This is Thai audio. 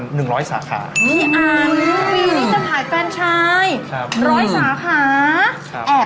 นี้อ่านจะขายแฟนชาย๑๐๐สาขา